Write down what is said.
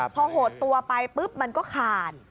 พอโหดตัวไปปุ๊บมันก็ขาด